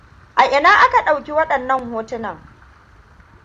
A ina aka dauki wadannan hotunan?